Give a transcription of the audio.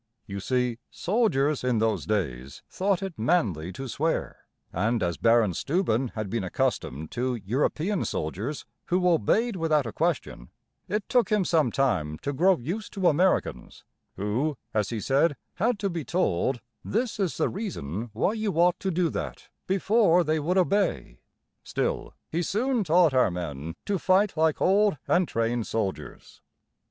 You see, soldiers in those days thought it manly to swear; and as Baron Steuben had been accustomed to European soldiers, who obeyed without a question, it took him some time to grow used to Americans, who, as he said, had to be told, "This is the reason why you ought to do that," before they would obey. Still, he soon taught our men to fight like old and trained soldiers.